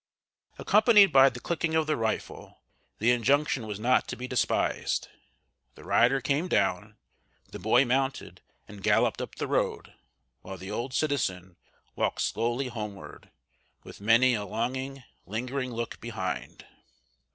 Accompanied by the clicking of the rifle, the injunction was not to be despised. The rider came down, the boy mounted and galloped up the road, while the old citizen walked slowly homeward, with many a longing, lingering look behind.